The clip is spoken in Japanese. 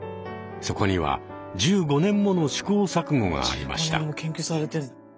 そこには１５年もの試行錯誤がありました。